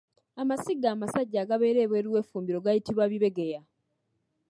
Amasiga amasajja agabeera ebweru w’effumbiro gayitibwa Bibegeya.